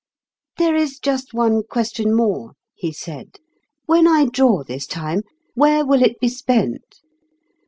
" There is just one question more," he said. "When I draw this time, where will it be spent